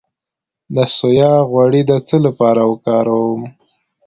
د سویا غوړي د څه لپاره وکاروم؟